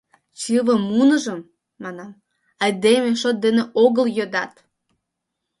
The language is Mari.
— Чыве муныжым, — манам, — айдеме шот дене огыл йодат.